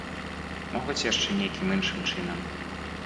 Могуць яшчэ нейкім іншым чынам.